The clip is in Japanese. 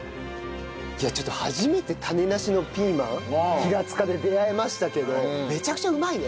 今日は初めて種なしのピーマン平塚で出会えましたけどめちゃくちゃうまいね。